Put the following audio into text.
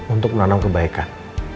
untuk menanam kebaikan